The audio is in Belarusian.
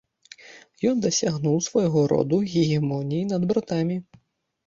Ён дасягнуў свайго роду гегемоніі над братамі.